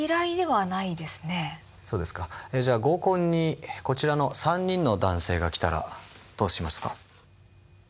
じゃあ合コンにこちらの３人の男性が来たらどうしますか？